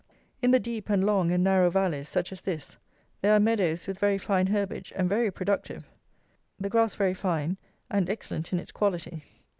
In the deep and long and narrow valleys, such as this, there are meadows with very fine herbage and very productive. The grass very fine and excellent in its quality.